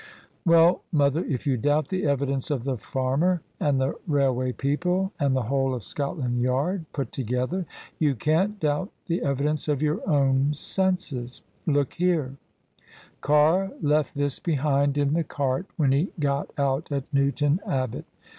" Well, mother, if you doubt the evidence of the farmer and the railway people and the whole of Scotland Yard put together, you can't doubt the evidence of your own senses. Look here: Carr left this behind in the cart when he got out at Newton Abbot."